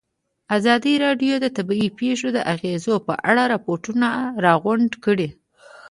ازادي راډیو د طبیعي پېښې د اغېزو په اړه ریپوټونه راغونډ کړي.